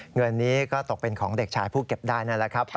เงินนี้ก็ตกเป็นของเด็กชายผู้เก็บได้นั่นแหละครับ